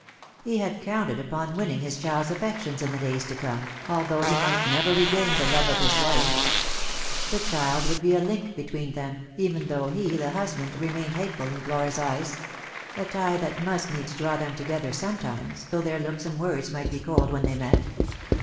He had counted upon winning his child's affections in the days to come, although he might never regain the love of his wife. The child would be a link between them, even though he, the husband, remained hateful in Flora's eyes; a tie that must n;3eds draw them together sometimes, though their looks and words might be cold ■when they met.